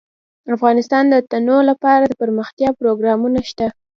افغانستان کې د تنوع لپاره دپرمختیا پروګرامونه شته.